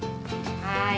はい。